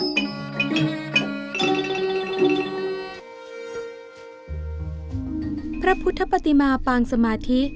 ทุกข้อพระพุทธปฏิมาปางสมาธิ